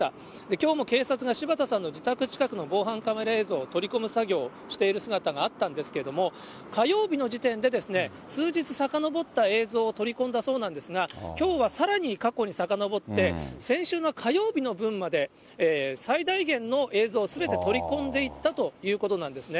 きょうも警察が柴田さんの自宅近くの防犯カメラ映像、取り込む作業をしている姿があったんですけども、火曜日の時点で、数日さかのぼった映像を取り込んだそうなんですが、きょうはさらに過去にさかのぼって、先週の火曜日の分まで、最大限の映像をすべて取り込んでいったということなんですね。